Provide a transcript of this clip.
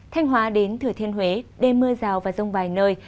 thanh hóa đến thừa thiên huế đêm mưa rào và rông vài nơi